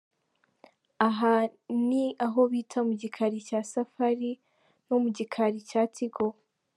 Aha ni aho bita mu gikari cya Safari no mu gikari cya Tigo.